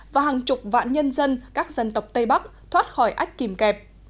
và hàng chục vạn nhân dân các dân tộc tây bắc thoát khỏi ách kìm kẹp